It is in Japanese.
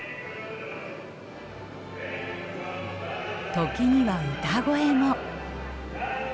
時には歌声も。